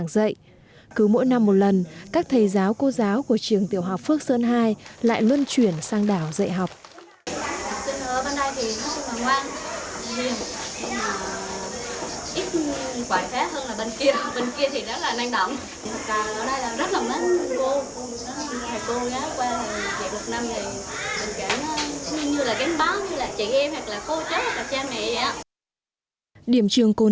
và môn tiếng anh thì cô giáo cũng từ trường chính đi qua